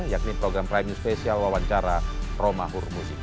yang ini program prime new special wawancara pro mahur musik